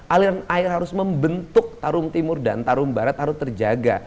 aliran air harus membentuk tarum timur dan tarum barat harus terjaga